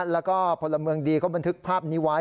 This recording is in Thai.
แล้วก็พลเมืองดีก็บันทึกภาพนี้ไว้